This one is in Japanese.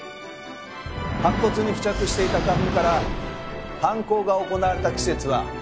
白骨に付着していた花粉から犯行が行われた季節は冬。